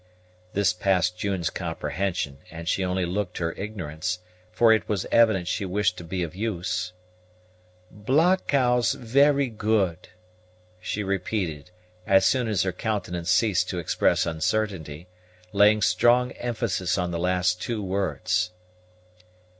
This passed June's comprehension, and she only looked her ignorance; for it was evident she wished to be of use. "Blockhouse very good," she repeated, as soon as her countenance ceased to express uncertainty, laying strong emphasis on the last two words.